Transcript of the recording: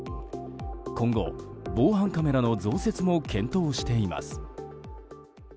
今後、防犯カメラの増設も検討しています。